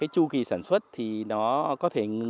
cái chu kỳ sản xuất thì nó có thể